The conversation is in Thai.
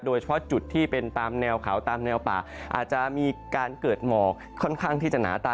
โดยเฉพาะจุดที่เป็นตามแนวเขาตามแนวป่าอาจจะมีการเกิดหมอกค่อนข้างที่จะหนาตา